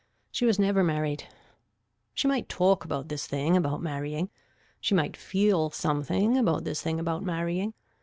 She was never married. She might talk about this thing about marrying. She might feel something about this thing about marrying.